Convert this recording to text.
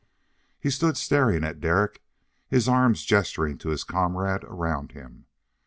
He stood staring at Derek, his arms gesturing to his comrade around him.